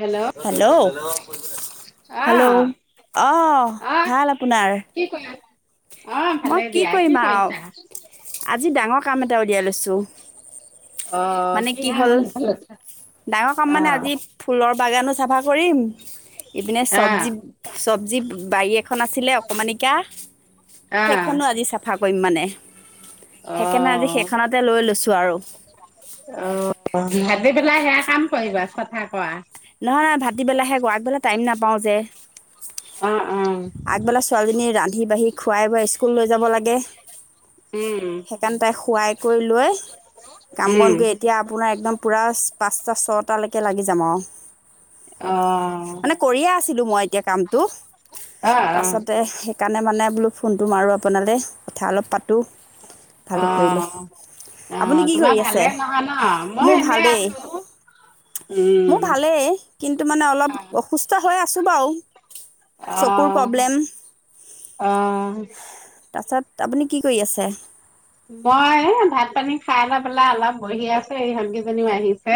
Hello hello hello আহ অ আহ ভাল আপোনাৰ কি কৰি আছা অ মই ভালে কি দিয়া কৰিম আৱ কৰিছা আজি ডাঙৰ কাম এটা উলিয়াই লৈছো অ মানে কি হা ম হ'ল ডাঙৰ কাম অ মানে আজি ফুল বাগানো চাফা কৰিম ইপিনে আহ চবজি চবজি বাৰী এখন আছিলে অকমানিকা আহ সেইখনো আজি চাফা চাফা কৰিম মানে অ সেইকাৰণে আজি সেইখনতে লৈ লৈছোঁ আৰু অ অ ভাবি পেলাই সেয়া কাম কৰিবা চফা হৱা নহয় নহয় ভাত দি পেলাই হে কৰোঁ আগবেলা টাইম নাপা পাওঁ যে [unintelligible] আগবেলা ছোৱালীজনী ৰান্ধি বাঢ়ি খুৱাই বুৱাই স্কুল লৈ যাব লাগে উম সেইকাৰণে তাই শোৱাই কৰি লৈ কাম বন উম কৰি এতিয়া আপোনাৰ একদম পুৰা পাঁচটা ছটালেকে লাগি যাম আৱ অ ছিলো মই এতিয়া কামটো অ অ তাপাছতে সে সেইকাণে মানে বোলো ফোনটো মাৰোঁ আপোনালে কথা অলপ পাতোঁ অ ভালেই কৰিলে অ আপুনি কি তোমাৰ কৰি আছে ভালে নহয় ন মই মোৰ এনে ভালেই আছো মোৰ উম ভালেই কিন্তু মানে অলপ অসুস্থ হৈ আছোঁ বাৰু। চকুৰ অঁহ প্ৰব্লেম অঁহ। তাৰছত আপুনি কি কৰি আছে? মই ভাত পানী খাই লৈ পেলাই অলপ বহি আছে স সংকেইজনীও আহিছে।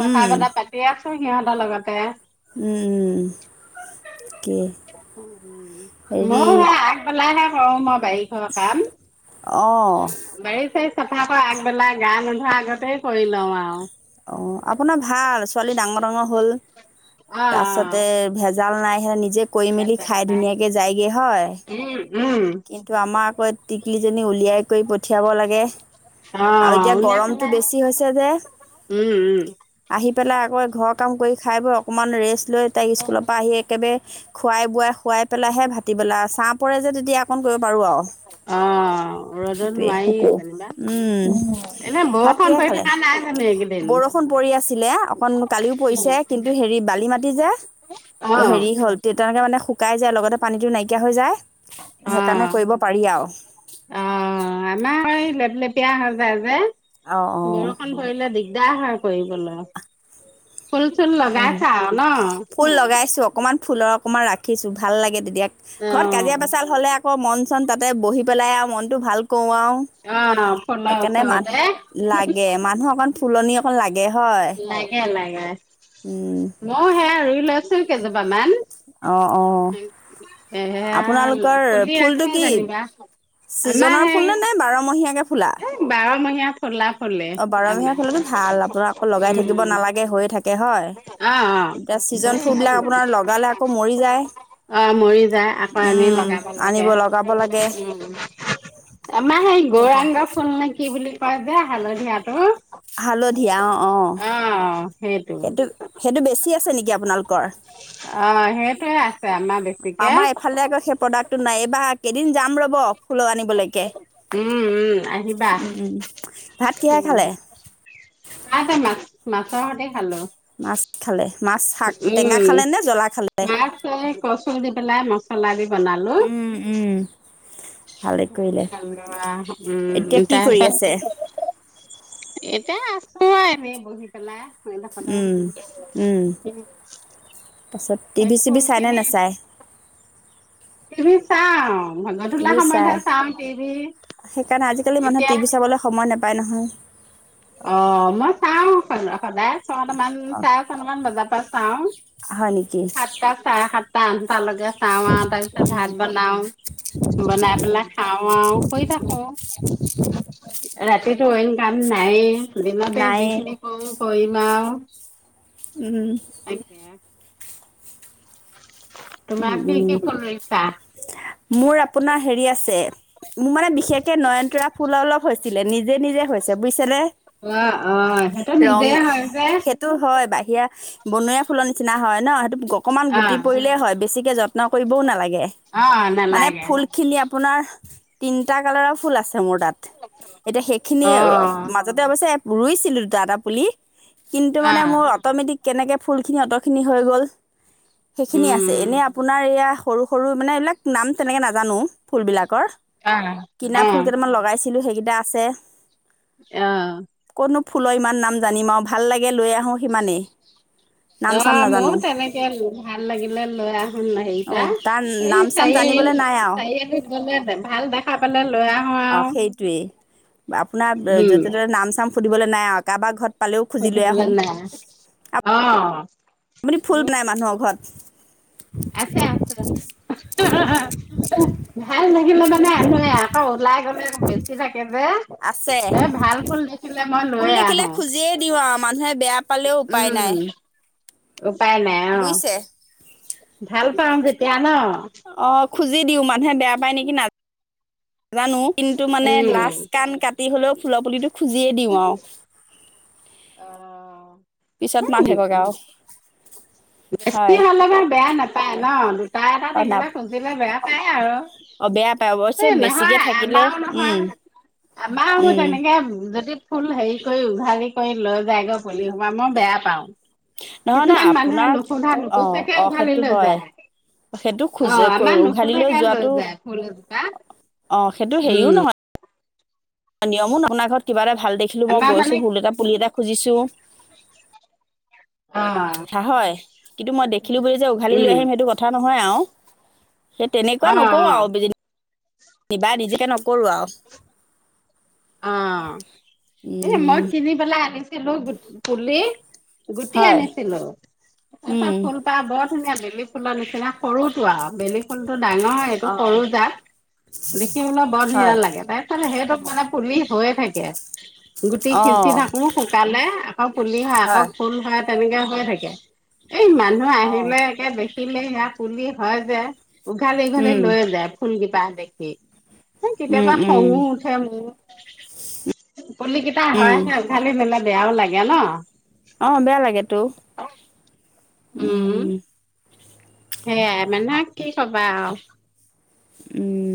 কথা বতা পাতিয়া। সিহঁতৰ লগতে। উম উম কি হেৰি, অ মই বাৰিষৰ কাম। অঁ। বাৰী চাৰী চাফা আগবেলা গা নন্ধোৱা আগতেই কৰি লওঁ আও। অঁ আপোনাৰ ভাল ছোৱালী ডাঙৰ ডাঙৰ হ'ল। অ তাৰ পাছতে ভেজাল নাই। [unintelligible] নিজে কৰি মেলি অ খাই নাই ধুনীয়াকে যায়গৈ হয়। উম। উম কিন্তু আমাৰ আকৌ টিকলিজনী উলিয়াই। কৰি পঠিয়াব লাগে। অ আৰু এতিয়া উলিয়াই গৰমতটো পেলাই বেছি হৈছে যে উম উম আহি পেলাই আকৌ ঘৰত। কাম কৰি খাই বৈ অকণমান ৰেষ্ট। লৈ তাই স্কুলৰ পৰা আহি একেবাৰে খোৱাই বোৱাই। খুৱাই পেলাইহে ভাতি পেলা ছাঁ পৰে তেতিয়া। অ কৰিব পাৰো আৰু অ ৰ'দত সেইটোৱে নোৱাৰি যেনিবা উম এনে ভাত বৰষুণ কিহে পৰি খালে থকা নাই জানো এইকেইদিন বৰষুণ পৰি আছিলে অকন কালিও পৰিছে কিন্তু হেৰি বালি মাটি যে অ হেৰি হল তেনেকে মানে। শুকাই যায় লগতে পানীতটো নাইকিয়া হৈ যায় অ সেইকাৰণে কৰিব পাৰি আৰু অ আমাৰ লেপ লেপিয়া হ। বাবে। অ', বৰষুণ ধৰিলে দিগদাৰ হয়। কৰিবলে। ফুল চুল অ', লগাইছা আও ন? ফুল লগাইছো অকমান ফুলৰ অকণমান ৰাখিছো ভাল লাগে তেতিয়া। ঘৰত কাজিয়া অ', পেচাল হ'লে। মন চন তাত। তাতে বহি পেলাই আৰু মনতটো ভাল কৰো আৰু অ', ফুলৰ সেইকাৰণে মানুহ ওচৰতে লাগে মানুহ অকণ। ফুলনি এখন লাগে। হয় লাগে, লাগে। এ উম ময়ো সেয়াই ৰুই লৈছোঁ। আছিল কেই জোপা মান। অ, অ। সেয়া আপোনালোকৰ ফুলি ফুলটো আছে কি? যেনিবা। আমাৰ চিজনৰ সেই ফুল নে নে বাৰমহীয়াকে ফুলা? মহীয়াত ফলা ফলে অ', বাৰমহীয়া আমাৰ। ফুলতো ভাল আপোনাৰ আকৌ লগাই উ থাকিব নালাগে হৈয়ে থাকে হয় অ, অ। এতিয়া ছিজন ফুলবিলাক আপোনাৰ লগালে আকৌ মৰি যায় অ। মৰি যায় আকৌ আমি উম লগাব আনিব লাগে। লগাব লাগে উ আমাৰ সেই সেইটোৱে গৌৰাংগ ফুল নে কি বুলি কয় লে হালধীয়াটো হালধীয়া অ, অ। অ। সেইটো, সেইটো বেছি আছে নেকি আপোনালোকৰ? অ, সেইটোয়ে আছে আমাৰ বেছিকে। আমাৰ এইফালে আকৌ সেই প্ৰডাক্টটো নাই এইবাৰ কেইদিন যাম ৰ'ব ফুলৰ আনি উম, উম। আহিবা। উম, উম। ভাত কিহে উম খালে আহ তমাক মাছৰ সতি খালো। মাছ খালে মাছ শাক টেঙা উম, খালে নে জ্বলা খালে মাছ কচু দি পেলাই মচলা দি বনালো। উম, উম। ভালে কৰিলে উম এতিয়া কি কৰি তাৰপত আছে এতিয়া আ খোৱাই এনে বহি তাৰছত টিভি চিভি চাইনে পেলাই নাচায় [unintelligible] টিভি চাওঁ। গধূলা টিভি চাই সময়তহে টিভি সেইকাৰণে আজিকালি মানুহে এতিয়া টিভি চাবলৈ সময় নাপায় নহয়। অ মই চাও স সদায়। ছটামান অঁ চাৰে ছটামান বজাৰ পৰা চাও। হয় নেকি সাতটা, চাৰে সাতটা, আঠটালৈকে চাও আৰু তাৰপিছত ভাত বনাও। বনাই পেলাই খাও আৰু শুই থাকো। ৰাতিত টো অইন কাম নাই। নাইয়ে। দিনতে নায়ে যিখিনি কৰোঁ, কৰিম আৰু। [inaudible] উম তাকে [unintelligible] উ তোমাৰ কি উম। কি ফুল ৰুইছা? মোৰ আপোনাৰ হেৰি আছে মোৰ মানে বিশেষকে নয়নতৰা ফুল অলপ হৈছে ছিলে নিজে - নিজে হৈছে বুইছেনে। অহ ', - অহ ', সেইটো নিজে হয় যে। সেয়া বনৰিয়া ফুলৰ নিচিনা হয় ন সেইটো অকমান গুটি অ' পৰিলেই হয়। বেছিকে যত্ন কৰিবও নালাগে। লাগে অ' মানে নালাগে ফুল খিনি আপোনাৰ। তিনিটা কালাৰৰ ফুল আছে। মোৰ তাত এতিয়া অ সেইখিনি অ' মাজতে অৱশ্যে ৰুইছিলো দুটা এটা পুলি কিন্তু মানে অ' মোৰ অট'মেটিক কেনেকে ফুলখিনি অঁতখিনি হৈ গ'ল। সেইখিনি আছে। আছে উম এনেই আপোনাৰ এয়া সৰু- সৰু মানে এইবিলাক নাম তেনেকে নাজানো ফুলবিলাক। কৰ অ' কিনা ফুল অ' কেইটামান লগাইছিলো সেই ক কিবা আছে অহ ', মো ফুলৰ ইমান নাম জানিম আও ভাল লাগে লৈ আহো সিমানেই নাম অহ চাম ', ময়ও নাজানো তেনেকে ভাল লাগিলে। লৰা শুন হেৰি পৰা অঁ তাৰ এই নাম চাম চাৰিআলি জানিবলৈ নাই আৰু -চাৰিআলিত গলে ভাল দেখা পালে লৰা অহ ', সেইটোৱে আপোনাৰ উম যতে ততে নাম চাম সুধিব লাগ নাই আও কাবা ঘৰত পালেও খুজি লৈ সুধিবলে আহোঁ নাই অহ ', আপুনি ফুল প্লাই মানুহৰ ঘৰত [unintelligible] আছে - আছে হহ', হা - হা ভাল লাগিলে মানে আনোয়ে আকৌ ওলাই গলে। বেছিভাগ থাকে যে আছে এ ভাল ফুল দেখিলে। মই ফুল লৈয়ে দেখিলে আহো খুজিয়ে দিওঁ আৰু মানুহে বেয়া পালেও উপায় উম নাই। উপায় নাই অহ বুজিছে ', ভাল পাাম যেতিয়া ন অ খুজি দিওঁ মানুহে বেয়া পায় নেকি নাজান নাজানো কিন্তু মানে লাষ্ট কাণ কাটি হ'লেও। ফুলপুলিটো খুজিয়ে দিওঁ আৰু পিছত মা উম হেককে অ', আৰু বেছি হয় হ'লে বাৰু বেয়া নাপায় ন তা এটা অ না থাকিলে খুচিলে বেয়া পায় আৰু অ বেয়া পায় অৱশ্যে এই নহয় বেছিকে থাকিলে আমাৰো নহয় উম আমাৰও ম উম তেনেকে যদি। ফুল হেৰি কৰি উভালি কৰি লৈ যায়গৈ পুলি সো মই বেয়া পাও। নহয় নহ আপোনাৰ অ নুপুচাকে অ উঘালি সেইটো লৈ হয় যায় সেইটো অ খোজে আমাৰ উঘাল নুসোধাকে লৈ যোৱাটো যায় ফুল এজোপা অ সেইটো হেৰিও উম নহয় নিয়মো আপোনাৰ ঘৰত কিবা এটা ভাল দেখিলো মই আমাৰ মানে গৈছোঁ ফুল এটা পুলি এটা খুজিছোঁ [unintelligible] হ হয় কিন্তু মই দেখিলো বুলি যে উঘালি লৈ উম আহিম সেইটো কথা নহয় আৰু সেই তেনেকুৱা অ অ নকৰো আৰু কিবা নিজকে নকৰো আৰু অ এ মই উম কিনি পেলাই আনিছো পুলি গুটি হয় আনিছিলো তাৰছ উম ফুলপাহ বৰ ধুনীয়া বেলি ফুলা নিচিনা সৰুতো আৰু বেলি ফুল টো ডাঙৰ হয় এইটো অ সৰু জাত দেখিবলৈ বৰ ধুনীয়া হয় লাগে তাৰ সেইটো মানে পুলি হৈ থাকে গুটি অ সিচি থাকো শুকালে আ পুলি শাক আ হয় ফুল শাক তেনেককাে হৈ থাকে এই মানুহ অ আহিলে একে দেখিলে ইয়াক চুলি হয় যে উঘালে উঘালে উম লৈ যায় ফুল কেই পা দেখি উম কেতিয়াবা উম খঙো উঠে মোৰ, পুলিকেইটা উম হয়হে উঘালি নিলে বেয়াও লাগে ন। অঁ বেয়া লাগে তো। উম সেয়াই মানে কি কবা আৰু, উম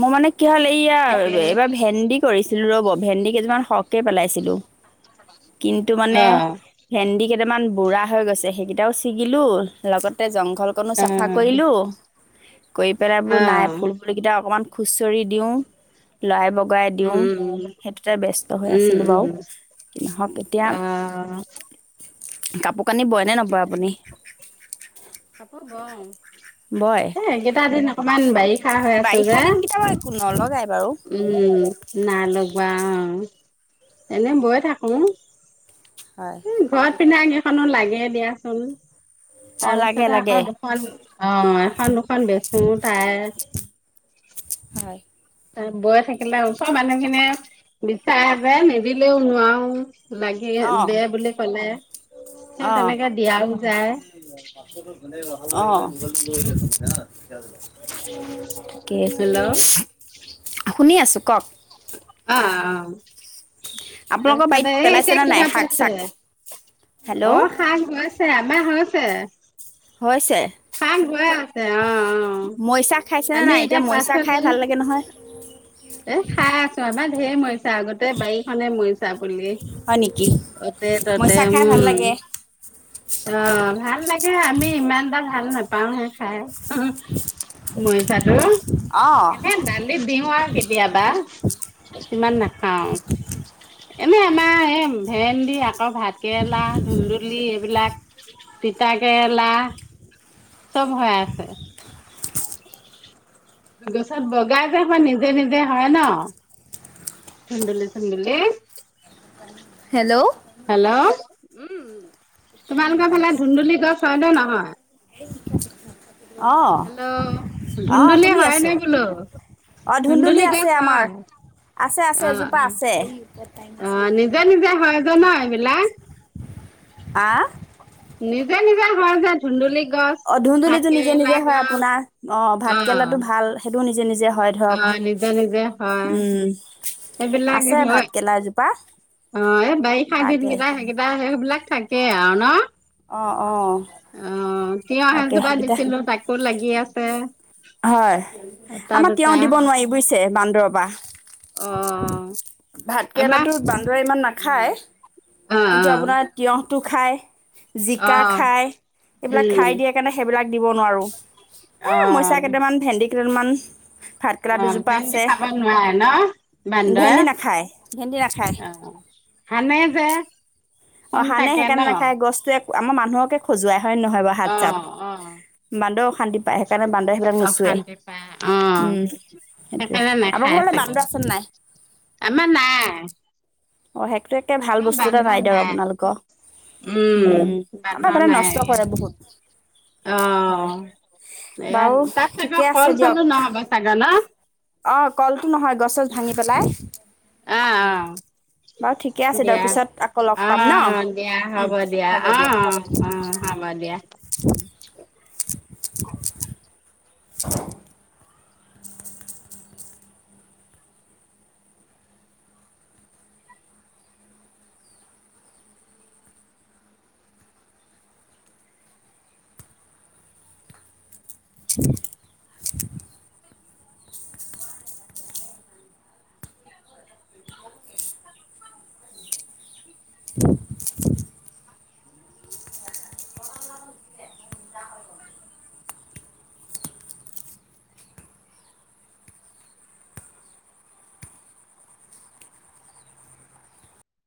মোৰ মানে কি হ'ল এইয়া তাৰমানে কি এইবাৰ ভেন্দি কৰিছো। ৰ'ব ভেন্দি কেইমান সৰহকে পেলাইছিলো। কিন্তু মানে অ ভেন্দি, কেইটামান বুঢ়া হৈ গৈছে সেইকেইটাও ছিগিলো লগতে জং -ঘলকণো চাফা কৰিলোঁ। কৰি পেলাই বোলো নাই ফুলবোৰ কেইটা অকমান খুছৰি দিও লৰাই বগৰাই বগৰাই দিওঁ সেইটোতে ব্যস্ত হৈ আছিলোঁ বাৰু ইহঁত এতিয়া। কাপোৰ কানি বয় নে নবয় আপুনি? বও বয় এ এইকেইটা দিন অকমান বাৰিষা হাঁহ হৈ আছ বাৰিষা যে দিনকেইটা বাৰু নলগাই বাৰু উম ন লগাও এনেই বৈ থাকোঁ। হয় উম ঘৰ পিন্ধাকে সেইখনো লাগে দিয়াচোন। অ লাগে তাৰপিছতে লাগে আকৌ দুখন অঁ এখন দুখন বেচো তাৰে হয় বৈ থাকিলে ওচৰৰ মানুহ খিনিয়ে বিচাৰে যে নিদিলেও নোৱাৰো। লাগি দে বুলি কলে সেই তেনেকে দিয়াও যায়, কি হেল্ল' শুনি আছোঁ কওক, অঁ অঁ আপোনালোকৰ বাৰীত তাৰপিছতে এই এতিয়া পেলাইছেনে কি নাই শাক পাইছে চাক হেল্ল' অঁ শাক হৈছে আমাৰ ছে। হৈছে অ অ মৰিচা খাইছেনে আমি নাই এতিয়া মৰিচা খাই পাচলি ভাল লাগে নহয়। এ খাই আছোঁ আমাৰ- সেই মই। আগতে বাৰীখনে মৰিছা পুলি হয় নেকি অতে ততে মৰিচা খাই ভাল উম লাগে অ ভাল লাগে আমি ইমান এটা ভ- ভাল নাপাওঁ হে খাই মৰিচাটো অ সিমান নাখাওঁ এনেই আমাৰ এই ভেনন্দি আকৌ ভাত কেৰেলা, ধুন্দুলি এইবিলাক তিতাকেৰেলা। চব হৈ আছে। গছত বগাই যে মই নিজে নিজে হৰে ন ধুন্দুলি চুন্দুলি। হেল্ল'। হেল্ল'। উম তোমালোকৰ ফালে ধুন্দুলি গছ হয় নে নহয়? অঁ হেল্ল' অঁ ধুন্দুলি শুনি হয় নে আছো বোলোঁ অঁ ধুন্দুলি আছে গছ আমাৰ হয়। আছে আছে অহ এজোপা আছে অহ নিজে নিজে হয় জানা এইবিলাক। আহ নিজে নিজে হয় যায় ধুন্দুলি। গছ অ ভাত ধুন্দুলিটো নিজে কেৰেলা নিজে হয় গছ আপোনাৰ অ ভাত কেৰেলাটো ভাল সেইটো নিজে। নিযে নিযে। হয় অ ধৰক নিজে নিজে হয় উম সেইবিলাক আছে ভাত হয় কেৰেলা এজোপা। অ এ বাৰিষা দিন লাগে কিটা হেকিটা। সেইবিলাক থাকে আৰু ন অ অ অ', তিয়হ তাকে এজোপা সেইকেইটা দিছিলো তাকো লাগি আছে। হয়। এটা আমাৰ তিয়ঁহ দুটা দিব নোৱাৰি বুইছে বান্দৰৰ পাহ। অ', ভাত আমাৰ কেৰেলাটো বান্দৰে ইমান উম, নাখায়। অ', কিন্তু অ', আপোনাৰ তিয়ঁহ। টো খাই। জিকা অ', খাই এইবিলাক উম, খাই দিয়ে কাৰণে সেইবিলাক। দিব নোৱাৰোঁ। হে মইচা অ', কেইটামান ভেন্দি- কেইদালমান। অ ভেন্দি খাব নোৱাৰে ন ভেন্দি নাখায় ভেন্দি নাখায় বান্দৰে অ সানে। [unintelligible] অ হানে সেইকাৰণে নাখায় গছটোৱে আমাৰ মানুহক। হকে খজোৱাই হয় নহয় বাৰু হাত অ', অ', চাত বান্দৰ অশান্তি পায় সেইকাৰণে বান্দৰ সেইবিলাক নুচোৱে অশান্তি পায় অ', উম সেইটোয়ে সেইকাৰণে আপোনাৰ নাখাই ঘৰলে চাগৈ বান্দৰ আছে নাই? আমাৰ নাই। অহ, সেকটো একে ভাল আমাৰ বস্তু এটা নাই বান্দৰ দিয়ক আপোনালোকৰ, উম, উম-উম। আমাৰ বান্দৰ মানে নাই নষ্ট কৰে বহুত হয় অ'। এয়া বাৰু তাত চাগে ঠিকে আছে কল চলো দিয়ক। নহ'ব চাগে ন? অহ কলটো নহয় গছ ভাঙি পেলাই। বাৰু ঠিকে অহ-অহ। আছে দিয়ক দিয়া। পিছত আকৌ লগ পাম ন অহ, দিয়া উম হ'ব দিয়া। হ'ব দিয়ক অহ-অহ, হ'ব দিয়া। [unintelligible]